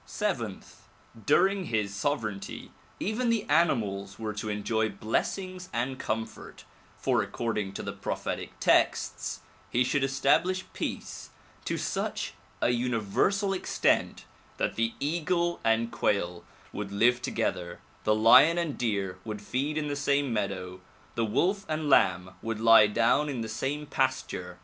"Seventh: During his sovereignty even the animals were to enjoy blessings and comfort, for according to the prophetic texts he should establish peace to such a universal extent that the eagle and quail would live together, the lion and deer would feed in the same meadow, the wolf and lamb would lie down in the same pasture.